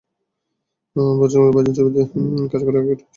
বজরঙ্গী ভাইজান ছবিতে কাজ করার আগে টিভি সিরিয়ালেও কাজ করেছে হার্শালি।